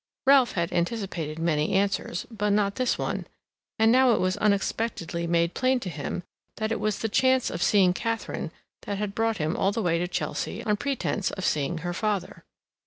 Ralph had anticipated many answers, but not this one, and now it was unexpectedly made plain to him that it was the chance of seeing Katharine that had brought him all the way to Chelsea on pretence of seeing her father.